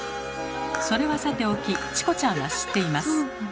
それはさておきチコちゃんは知っています。